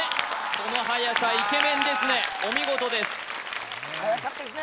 このはやさイケメンですねお見事ですはやかったですね